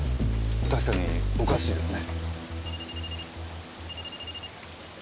確かにおかしいですね。